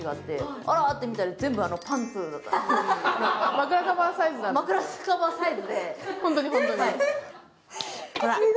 枕カバーサイズなんで、ホントに、ホントに。